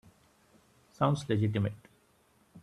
Sounds legitimate.